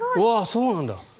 そうなんだ。